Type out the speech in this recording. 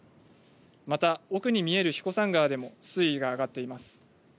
また奥に見える彦山川でも水位が上がっています。